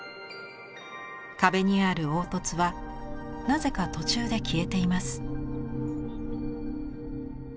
壁にある凹凸はなぜか途中で消えています。